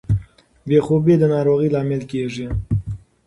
بې خوبي د ناروغۍ لامل کیږي.